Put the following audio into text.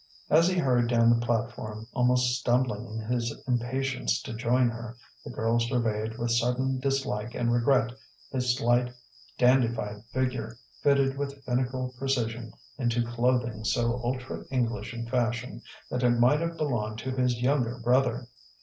As he hurried down the platform, almost stumbling in his impatience to join her, the girl surveyed with sudden dislike and regret his slight, dandified figure fitted with finical precision into clothing so ultra English in fashion that it might have belonged to his younger brother.